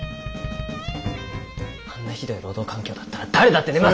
あんな酷い労働環境だったら誰だって寝ます！